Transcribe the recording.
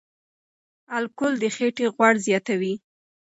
الکول د خېټې غوړ زیاتوي.